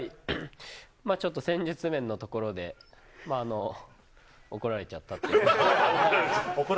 ちょっと戦術面のところで、怒られちゃった？